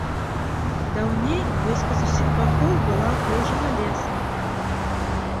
Даўней вёска з усіх бакоў была акружана лесам.